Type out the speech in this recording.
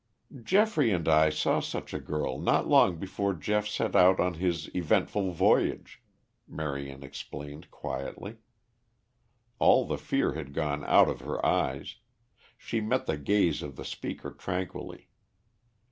"Geoffrey and I saw such a girl not long before Geoff set out on his eventful voyage," Marion explained quietly. All the fear had gone out of her eyes; she met the gaze of the speaker tranquilly.